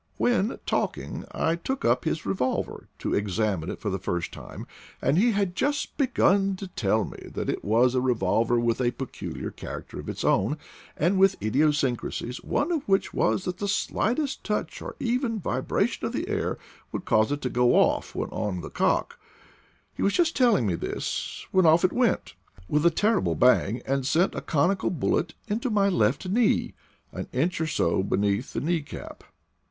While talking I took up his revolver to examine it for the first time, and he had just begun to tell me that it was a revolver with a peculiar character of its own, and with HOW I BECAME AN IDLEB 23 idiosyncrasies, one of which was that the slightest touch, or even vibration of the air, would cause it to go off when on the cock— he was just telling me this, when off it went with a terrible bang and sent a conical bullet into my left knee, an inch or so beneath the knee cap.